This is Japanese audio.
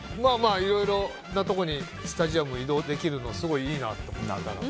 いろいろなところにスタジアムが移動できるのはすごいいいなと。